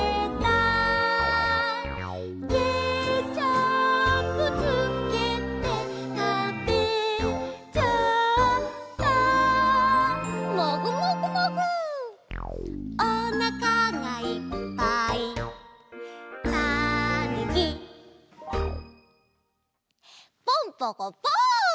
「ケチャップつけてたべちゃった」「」「おなかがいっぱいたぬき」ポンポコポン！